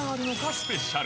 スペシャル。